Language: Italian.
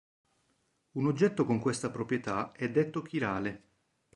Un oggetto con questa proprietà è detto chirale.